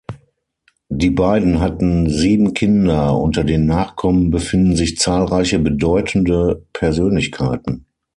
Die beiden hatten sieben Kinder, unter den Nachkommen befinden sich zahlreiche bedeutende Persönlichkeiten.